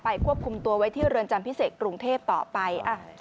ควบคุมตัวไว้ที่เรือนจำพิเศษกรุงเทพต่อไป